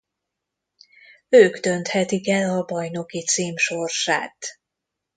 Ők dönthetik el a bajnoki cím sorsát.